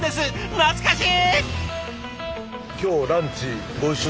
懐かしい！